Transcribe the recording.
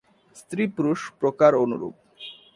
স্ত্রী-পুরুষ প্রকার অনুরূপ।